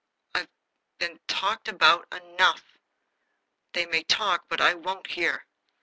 I have been talked about enough. They may talk, but I won't hear.